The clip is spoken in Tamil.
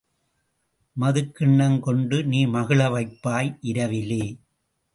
மதுக் கிண்ணம் கொண்டு நீ மகிழ வைப்பாய் இரவிலே!